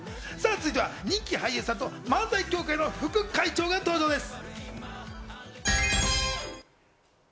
続いては人気俳優さんと漫才協会の副会長が登場です。